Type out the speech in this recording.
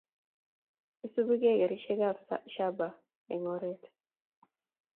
Isubikei garisiekab shaba eng oret